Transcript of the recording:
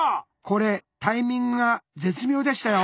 これタイミングが絶妙でしたよ。